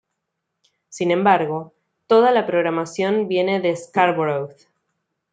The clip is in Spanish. Sin embargo, toda la programación viene de Scarborough.